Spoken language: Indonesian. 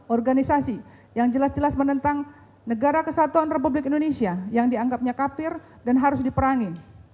organisasi yang jelas jelas menentang negara kesatuan republik indonesia yang dianggapnya kapir dan harus diperangi